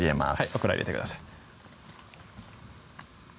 オクラ入れてください